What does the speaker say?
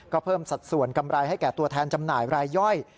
ก็เพิ่มสัดส่วนกำไรให้แก่ตัวแทนจำหน่ายรายย่อย